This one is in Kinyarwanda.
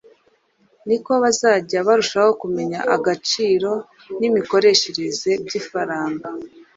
niko bazajya barushaho kumenya agaciro n’imikoreshereze by’ifaranga